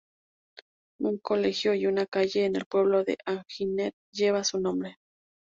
Un colegio y una calle en el pueblo de Alginet llevan su nombre.